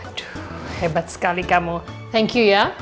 aduh hebat sekali kamu thank you ya